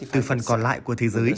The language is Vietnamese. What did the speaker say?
từ phần còn lại của thế giới